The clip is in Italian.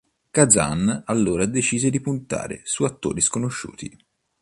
Kazan allora decise di puntare su attori sconosciuti.